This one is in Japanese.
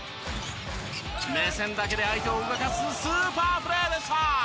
目線だけで相手を動かすスーパープレーでした。